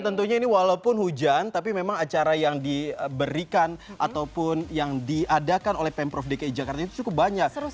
tentunya ini walaupun hujan tapi memang acara yang diberikan ataupun yang diadakan oleh pemprov dki jakarta itu cukup banyak